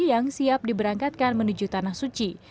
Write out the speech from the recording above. yang siap diberangkatkan menuju tanah suci